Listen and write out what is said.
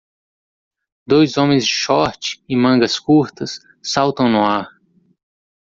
Dois homens de short e mangas curtas saltam no ar